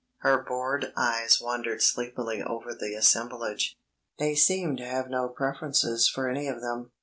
Her bored eyes wandered sleepily over the assemblage. They seemed to have no preferences for any of them.